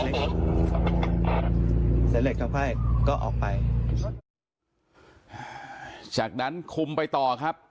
เสร็จแล้วก็ค่อยก็ออกไปจากนั้นคุมไปต่อครับ